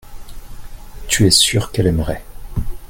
tu es sûr qu'elle aimerait.